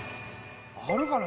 あるかな？